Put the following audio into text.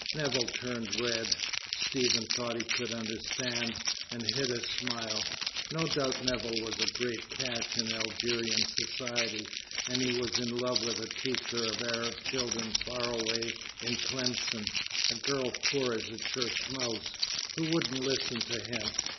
Nevill turned red. Stephen thought he could understand, and hid a smile. No doubt Nevill was a great "catch" in Algerian society. And he was in love with a teacher of Arab children far away in Tlemcen, a girl "poor as a church mouse," who wouldn't listen to him!